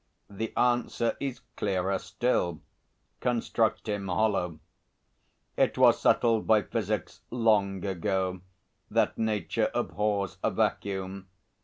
The answer is clearer still: construct him hollow. It was settled by physics long ago that Nature abhors a vacuum.